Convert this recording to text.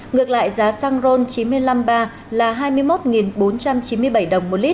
ngược lại giá xăng e năm ron chín mươi năm giảm năm mươi một đồng một lít về mức hai mươi bốn trăm một mươi chín đồng một lít